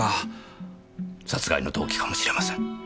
殺害の動機かもしれません。